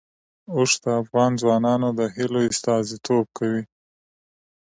اوښ د افغان ځوانانو د هیلو استازیتوب کوي.